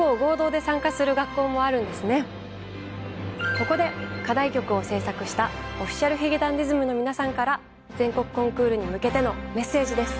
ここで課題曲を制作したＯｆｆｉｃｉａｌ髭男ｄｉｓｍの皆さんから全国コンクールに向けてのメッセージです。